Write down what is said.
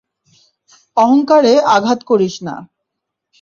অহংকারে আঘাত করিস না।